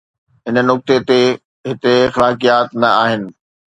هن نقطي تي هتي اخلاقيات نه آهن.